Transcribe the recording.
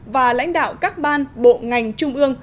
và lãnh đạo các ban bộ ngành trung ương